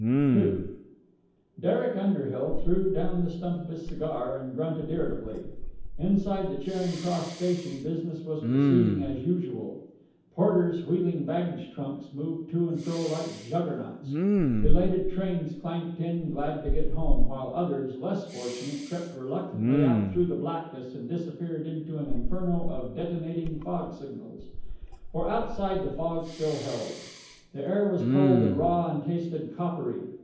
II Derek Underhill threw down the stump of his cigar, and grunted irritably. Inside Charing Cross Station business was proceeding as usual. Porters wheeling baggage trucks moved to and fro like Juggernauts. Belated trains clanked in, glad to get home, while others, less fortunate, crept reluctantly out through the blackness and disappeared into an inferno of detonating fog signals. For outside the fog still held. The air was cold and raw and tasted coppery.